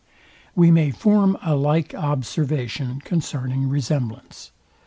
We may form a like observation concerning resemblance.